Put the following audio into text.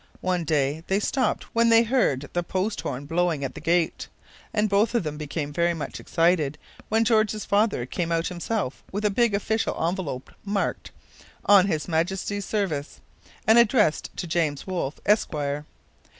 One day they stopped when they heard the post horn blowing at the gate; and both of them became very much excited when George's father came out himself with a big official envelope marked 'On His Majesty's Service' and addressed to 'James Wolfe, Esquire.'